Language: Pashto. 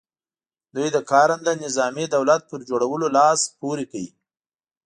دوی د کارنده نظامي دولت پر جوړولو لاس پ ورې کړ.